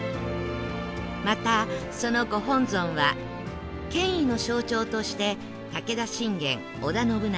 またそのご本尊は権威の象徴として武田信玄織田信長